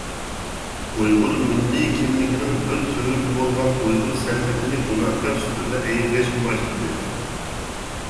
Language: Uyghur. ئۇيغۇر مىللىي كىملىكىنىڭ بىر تۈۋرۈكى بولغان ئۇيغۇر سەنئىتىنى گۇناھكار سۈپىتىدە ئەيىبلەشكە باشلىدى.